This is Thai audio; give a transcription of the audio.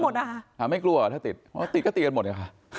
ห้องที่หนึ่งแล้วไปทำไมห้องที่สอง